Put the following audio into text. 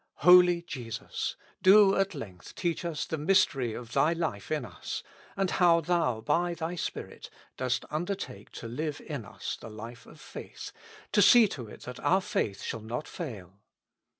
Holy Jesus! do at length teach us the mystery of Thy life in us, and how Thou, by Thy Spirit, dost undertake to live in us the life of faith, to see to it that our faith shall not fail.